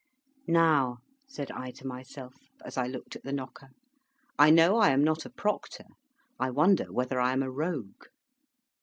"Now," said I to myself, as I looked at the knocker, "I know I am not a Proctor; I wonder whether I am a Rogue!"